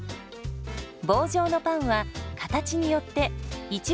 棒状のパンは形によって一番細いフィセル。